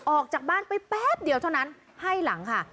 ออกจากบ้านไปแป๊บเดียวเท่านั้นให้หลังค่ะ